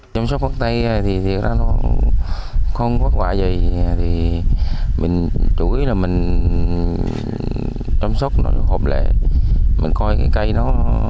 chăm sóc măng tây thì không có quả gì mình chú ý là mình chăm sóc nó hợp lệ mình coi cây nó